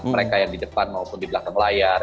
mereka yang di depan maupun di belakang layar